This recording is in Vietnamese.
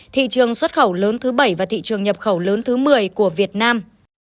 thị trường xuất khẩu lớn thứ bảy và thị trường nhập khẩu lớn thứ một mươi của việt nam